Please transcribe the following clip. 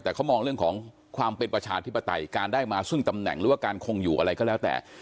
แต่เขามองเรื่องของความเป็นประชาธิปไตยการได้มาซึ่งตำแหน่งหรือว่าการคงอยู่อะไรก็แล้วแต่